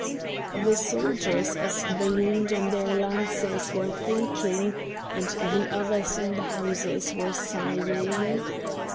The soldiers as they leaned on their lances were thinking, and the others in the houses were sighing.